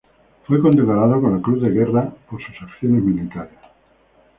Fue condecorado con la Cruz de Guerra por sus acciones militares.